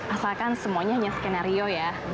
asalkan semuanya hanya skenario ya